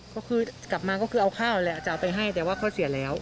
ก็คือกลับมาก็คือเอาข้าวแหละจะเอาไปให้แต่ว่าเขาเสียแล้ว